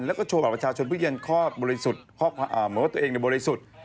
แล้วก็โชว์ประชาชนบริเวณข้อบริสุทธิ์